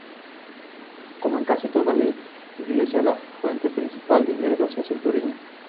Como en casi toda la isla, la fuente principal de ingresos es el turismo.